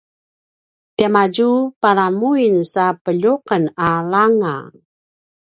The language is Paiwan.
tiamadju palamuin sa peljuqen a langa